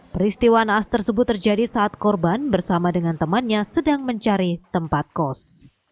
peristiwa naas tersebut terjadi saat korban bersama dengan temannya sedang mencari tempat kos